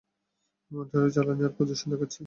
মনিটরে জ্বালানি আর পজিশন দেখাচ্ছে।